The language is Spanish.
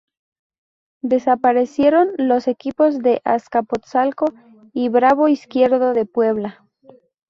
Desaparecieron los equipos de Azcapotzalco y Bravo Izquierdo de Puebla.